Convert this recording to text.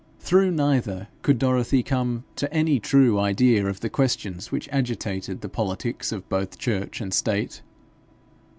Through neither could Dorothy come to any true idea of the questions which agitated the politics of both church and state.